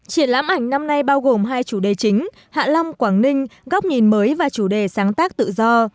triển lãm ảnh năm nay bao gồm hai chủ đề chính hạ long quảng ninh góc nhìn mới và chủ đề sáng tác tự do